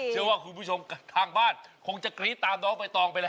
เชื่อว่าคุณผู้ชมทางบ้านคงจะกรี๊ดตามน้องใบตองไปแล้ว